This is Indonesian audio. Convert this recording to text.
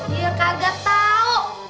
ya kagak tau